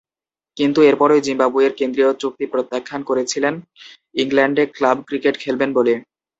কিন্তু এরপরই জিম্বাবুয়ের কেন্দ্রীয় চুক্তি প্রত্যাখ্যান করেছিলেন ইংল্যান্ডে ক্লাব ক্রিকেট খেলবেন বলে।